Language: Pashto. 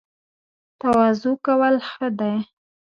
تواضع کول ښه دي